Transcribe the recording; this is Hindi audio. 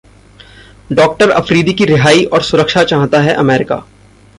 डॉक्टर अफरीदी की रिहाई और सुरक्षा चाहता है अमेरिका